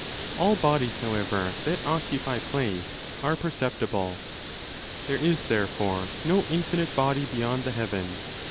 All bodies, however, that occupy place are perceptible. There is therefore no infinite body beyond the heaven.